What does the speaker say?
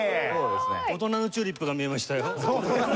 大人の『チューリップ』が見えましたよ。